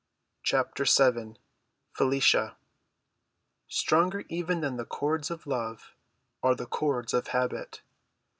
CHAPTER VII FELICIA Stronger even than the cords of love are the cords of habit.